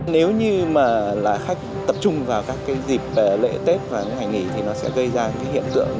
nếu như mà khách tập trung vào các dịp lễ tết và ngày nghỉ thì nó sẽ gây ra hiện tượng gọi là